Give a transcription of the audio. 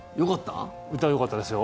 歌、よかったですよ。